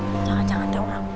jangan jangan ada orang